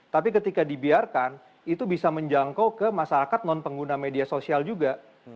tapi ketika dibiarkan itu bisa menjangkau ke masyarakat non pengguna media sosial juga